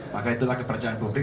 maka itulah kepercayaan publik